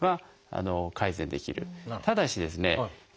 ただしですね